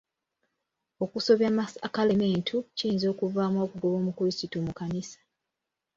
Okusobya amasakalamentu kiyinza okuvaamu okugoba omukrisitu mu kkanisa.